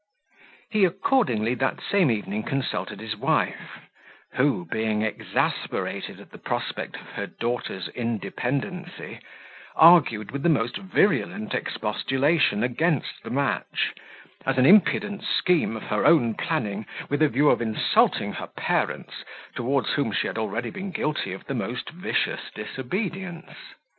He, accordingly, that same evening consulted his wife, who, being exasperated at the prospect of her daughter's independency, argued with the most virulent expostulation against the match, as an impudent scheme of her own planning, with a view of insulting her parents, towards whom she had already been guilty of the most vicious disobedience.